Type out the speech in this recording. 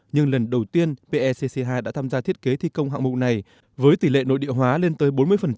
nhưng lần đầu tiên pecc hai đã tham gia thiết kế thi công hạng mục này với tỷ lệ nội địa hóa lên tới bốn mươi